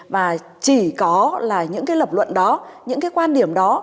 và chỉ có là những cái lập luận đó những cái quan điểm đó